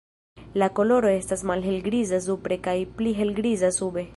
La koloro estas malhelgriza supre kaj pli helgriza sube.